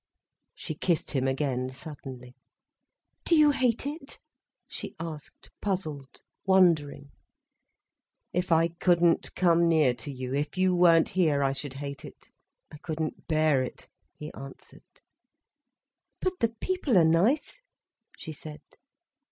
She kissed him again, suddenly. "Do you hate it?" she asked, puzzled, wondering. "If I couldn't come near to you, if you weren't here, I should hate it. I couldn't bear it," he answered. "But the people are nice," she said.